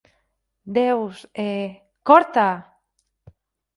Deus. E... córtaa!